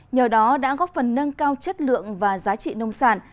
nhờ đó đã góp phần nâng cao chất lượng và giá trị nông sản